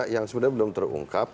yang sebenarnya belum terungkap